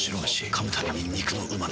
噛むたびに肉のうま味。